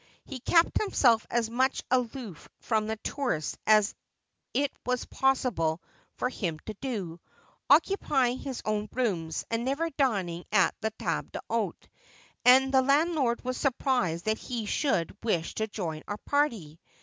He kept himself as much aloof from the tourists as it was possible for him to do, occupying his own rooms, and never dining at the table d'hdte ; and the landlord was surprised that he should wish to join our party.